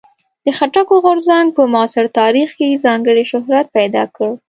د خټکو غورځنګ په معاصر تاریخ کې ځانګړی شهرت پیدا کړ.